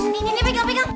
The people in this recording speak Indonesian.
nih nih nih pegang pegang